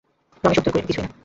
রমেশ উত্তর করিল, কিছুই না।